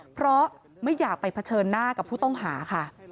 เพราะไม่อยากไปเผชิญหน้ากับผู้ต้องหาค่ะ